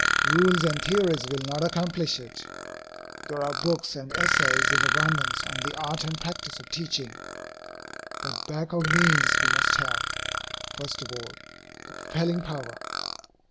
Rules and theories will not accomplish it. There are books and essays in abundance on the art and practice of teaching. But back of means we must have, first of all, the propelling power.